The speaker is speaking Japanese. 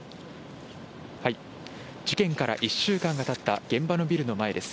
事件から１週間がたった現場のビルの前です。